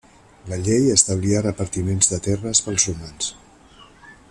La llei establia repartiments de terres pels romans.